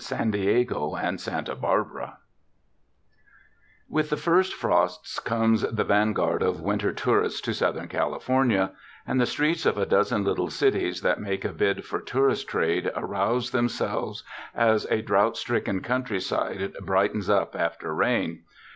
San Diego and Santa Barbara WITH the first frosts comes the vanguard of winter tourists to Southern California; and the streets of a dozen little cities that make a bid for tourist trade arouse themselves as a drought stricken country side brightens up after rain.